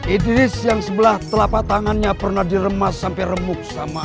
idris yang sebelah telapak tangannya pernah diremas sampai remuk sama